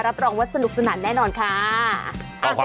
รับรองว่าสนุกสนานแน่นอนค่ะ